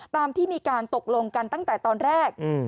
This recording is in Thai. ตามที่มีการตกลงกันตั้งแต่ตอนแรก